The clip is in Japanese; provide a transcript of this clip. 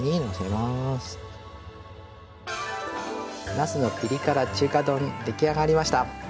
「なすのピリ辛中華丼」できあがりました。